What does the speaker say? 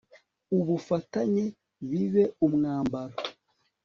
ubufatanye bibe umwambaro